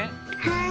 はい。